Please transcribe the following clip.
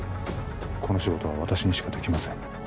この仕事は私にしかできません